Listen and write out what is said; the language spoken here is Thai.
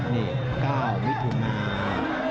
นี่๙วิทยุมาก